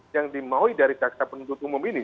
yang dimaui dari caksa penuntut umum ini